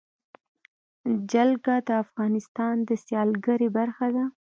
جلګه د افغانستان د سیلګرۍ برخه ده.